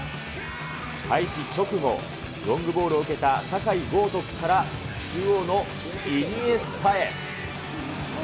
開始直後、ロングボールを受けた酒井高徳から中央のイニエスタへ。